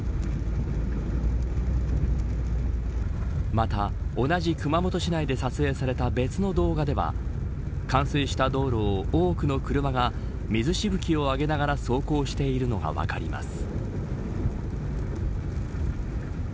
また、同じ熊本市内で撮影された別の動画では冠水した道路を多くの車が水しぶきを上げながら走行しているのが分かります。